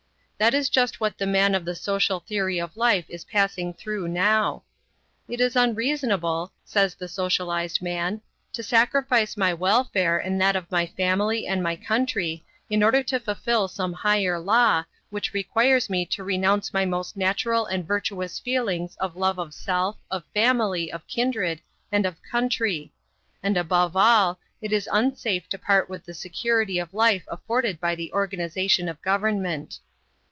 That is just what the man of the social theory of life is passing through now. "It is unreasonable," says the socialized man, "to sacrifice my welfare and that of my family and my country in order to fulfill some higher law, which requires me to renounce my most natural and virtuous feelings of love of self, of family, of kindred, and of country; and above all, it is unsafe to part with the security of life afforded by the organization of government."